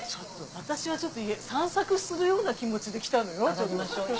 私はちょっと散策するような気持ちで来たのよちょっと。